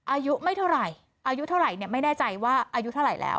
อายุไม่เท่าไหร่อายุเท่าไหร่เนี่ยไม่แน่ใจว่าอายุเท่าไหร่แล้ว